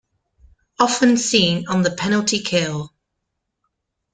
Often seen on the penalty kill.